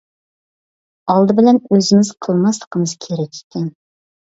ئالدى بىلەن ئۆزىمىز قىلماسلىقىمىز كېرەك ئىكەن.